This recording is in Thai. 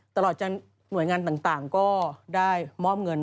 ตลอดจนหน่วยงานต่างก็ได้มอบเงิน